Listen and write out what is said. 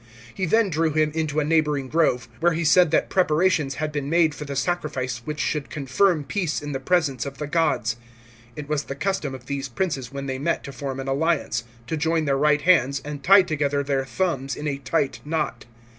He then drew him into a neighbouring grove, where he said that preparations had been made for the sacrifice which should confirm peace in the presence of the gods. It was the custom of these princes when they met to form an alliance, to join their right hands and tie together their thumbs in a tight knot.